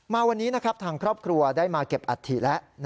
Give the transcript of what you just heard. มาวันนี้นะครับทางครอบครัวได้มาเก็บอัฐิแล้ว